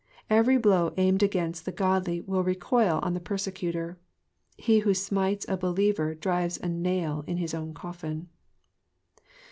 Every blow aimed against the godly will recoil on the persecutor ; he who smites a believer drives a nail in his own cofiSn.